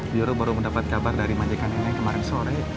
biar baru mendapat kabar dari majikan neneng kemarin sore